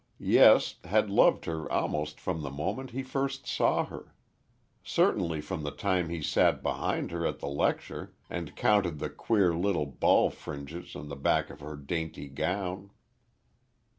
Yes, had loved her almost from the moment he first saw her. Certainly from the time he sat behind her at the lecture, and counted the queer little ball fringes in the back of her dainty gown.